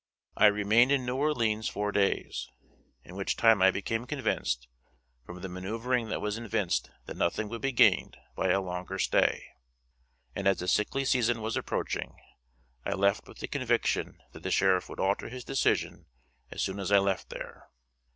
"I remained in New Orleans four days, in which time I became convinced from the maneuvering that was evinced that nothing would be gained by a longer stay, and as the sickly season was approaching, I left with the conviction that the Sheriff would alter his decision as soon as I left there.